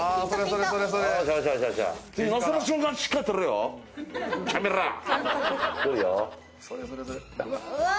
それそれそれうわ